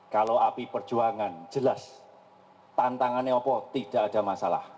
kalau api perjuangan jelas tantangannya opo tidak ada masalah